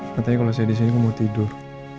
katanya kalo saya disini gue mau tidur